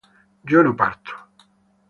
yo no parto